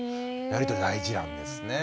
やり取り大事なんですね。